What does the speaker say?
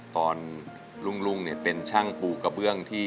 ตอนลุงเป็นช่างปูกระเบื้องที่